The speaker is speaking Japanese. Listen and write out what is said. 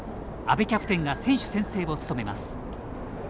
阿部キャプテンが選手宣誓を務めます。